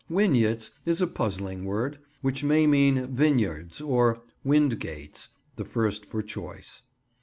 "Wynyates" is a puzzling word, which may mean "Vineyards" or "Windgates": the first for choice.